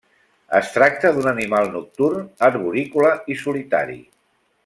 Es tracta d'un animal nocturn, arborícola i solitari.